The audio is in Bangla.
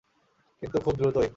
কিন্তু খুব দ্রুতই।